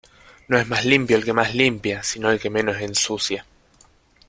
No es más limpio el que más limpia, sino el que menos ensucia.